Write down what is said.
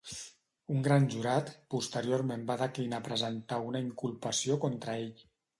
Un gran jurat posteriorment va declinar presentar una inculpació contra ell.